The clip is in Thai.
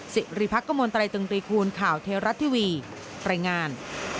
สิริพักษ์กระมวลไตรตึงตีคูณข่าวเทราัตรีวีแปรงาน